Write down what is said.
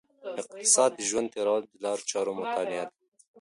اقتصاد د ژوند تیرولو د لارو چارو مطالعه ده.